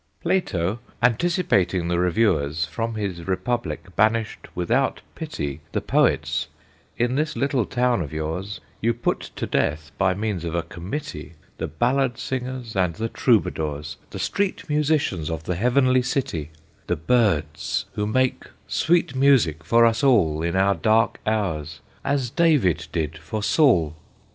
"Plato, anticipating the Reviewers, From his Republic banished without pity The Poets; in this little town of yours, You put to death, by means of a Committee, The ballad singers and the Troubadours, The street musicians of the heavenly city, The birds, who make sweet music for us all In our dark hours, as David did for Saul.